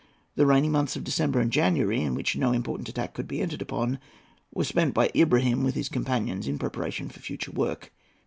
The rainy months of December and January, in which no important attack could be entered upon, were spent by Ibrahim and his companions in preparation for future work.